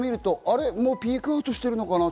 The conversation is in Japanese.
もうピークアウトしているのかな？